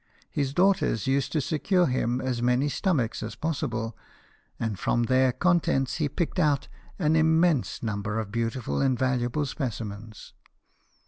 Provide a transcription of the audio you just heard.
His daughters used to secure him as many stomachs as possible, and from their contents he picked out an im mense number of beautiful and valuable speci mens.